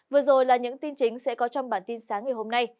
vừa rồi là những tin chính sẽ có trong bản tin sáng ngày hôm nay